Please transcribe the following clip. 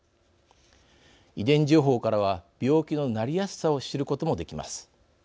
遺伝情報からは病気のなりやすさを知ることもできます。